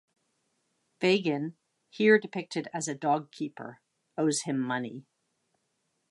Fagin, here depicted as a dogkeeper, owes him money.